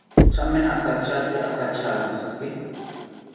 Thame akachate akacharontzi